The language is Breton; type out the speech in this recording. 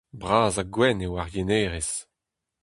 Bras ha gwenn eo ar yenerez.